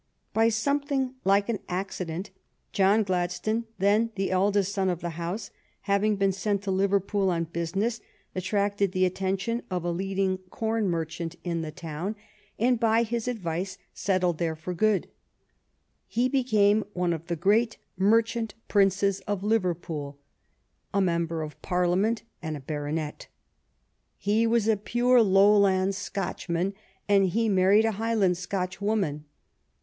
By something like an accident, John Gladstone, then the eldest son of the house, having been sent to Liverpool on business, attracted the attention of a leading corn merchant of the town, THE STORY OF GLADSTONE'S LIFE and by his advict. settlc'd tlici L for good. He be came one of the great merchant princes of Liver pool, a member of Parliament, and a baronet. He was a pure Lowland Scotchman, and he married a Highland Scotch woman.